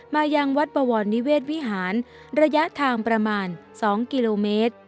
มายังวัดบวรนิเวศวิหารระยะทางประมาณ๒กิโลเมตร